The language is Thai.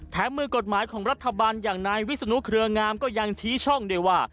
มือกฎหมายของรัฐบาลอย่างนายวิศนุเครืองามก็ยังชี้ช่องได้ว่า